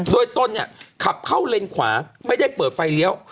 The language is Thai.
โดยตนเนี่ยขับเข้าเลนขวาไม่ได้เปิดไฟเลี้ยว